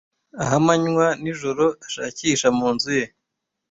ah amanywa n'ijoro ashakisha mu nzu ye